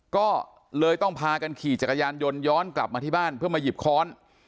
ก็เลยต้องพากันขี่จักรยานยนต์ย้อนกลับมาที่บ้านเพื่อมาหยิบค้อน